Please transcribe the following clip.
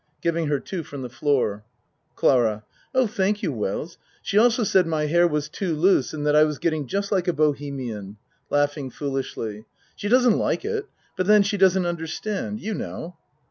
(Giving her two from the floor.) CLARA Oh, thank you, Wells. She also said my hair was too loose and that I was getting just like a bohemian. (Laughing foolishly.) She doesn't like it but then she doesn't understand you know.